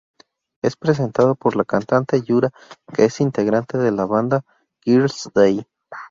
Es presentado por la cantante Yura, que es integrante de la banda Girl's Day.